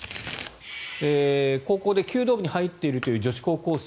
高校で弓道部に入っているという女子高校生。